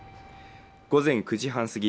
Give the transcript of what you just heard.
午前９時半過ぎ